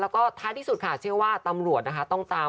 แล้วก็ท้ายที่สุดค่ะเชื่อว่าตำรวจนะคะต้องตาม